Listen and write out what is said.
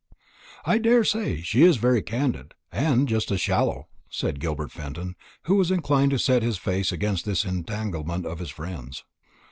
"I daresay she is very candid, and just as shallow," said Gilbert Fenton, who was inclined to set his face against this entanglement of his friend's.